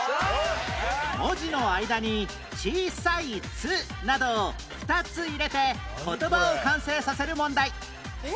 文字の間に小さい「つ」などを２つ入れて言葉を完成させる問題